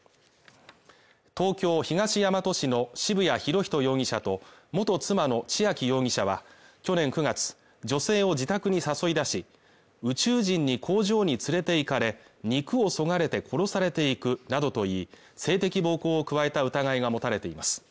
東京・東大和市の渋谷博仁容疑者と元妻の千秋容疑者は去年９月、女性を自宅に誘い出し、宇宙人に工場に連れていかれ、肉を削がれて殺されていくなどと言い、性的暴行を加えた疑いが持たれています。